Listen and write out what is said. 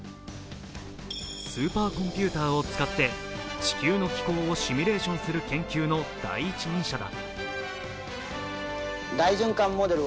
スーパーコンピューターを使って地球の気候をシミュレーションする研究の第一人者だ。